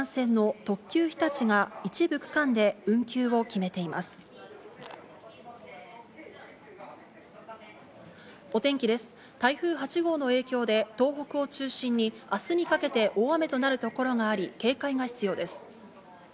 台風８号の影響で東北を中心に明日にかけて大雨となるところがあり、警戒が必要です。